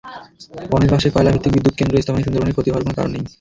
বনের পাশে কয়লাভিত্তিক বিদ্যুৎকেন্দ্র স্থাপনে সুন্দরবনের ক্ষতি হওয়ার কোনো কারণ নেই।